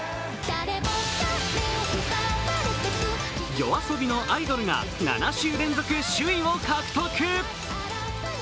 ＹＯＡＳＯＢＩの「アイドル」が７週連続首位を獲得。